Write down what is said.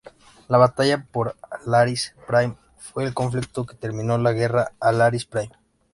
La batalla por Alaris Prime fue el conflicto que terminó la Guerra Alaris Prime.